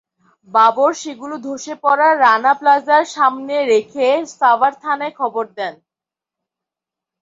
বাবর সেগুলো ধসে পড়া রানা প্লাজার সামনে রেখে সাভার থানায় খবর দেন।